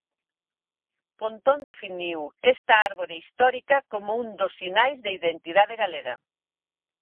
Pontón definiu esta árbore histórica como un dos sinais de identidade galega.